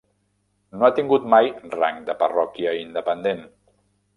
No ha tingut mai rang de parròquia independent.